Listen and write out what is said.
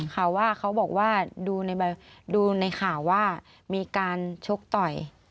ค่ะว่าเขาบอกว่าดูในข่าวว่ามีการชกต่อย